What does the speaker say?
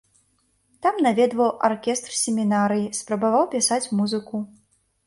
Там наведваў аркестр семінарыі, спрабаваў пісаць музыку.